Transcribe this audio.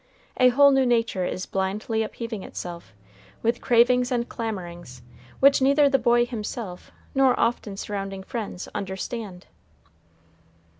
A whole new nature is blindly upheaving itself, with cravings and clamorings, which neither the boy himself nor often surrounding friends understand.